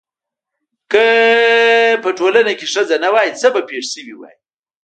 که په ټولنه کې ښځه نه وای څه به پېښ شوي واي؟